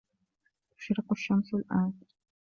تشرق الشمس الآن.